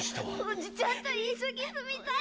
おじちゃんと一緒に住みたい！